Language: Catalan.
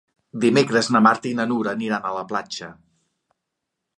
Dimecres na Marta i na Nura aniran a la platja.